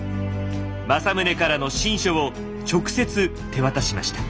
政宗からの親書を直接手渡しました。